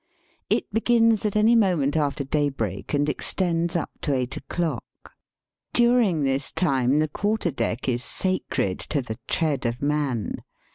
It begins at any moment after daybreak, and extends up to eight o'clock. During this time the quarter deck is sacred to the tread of man.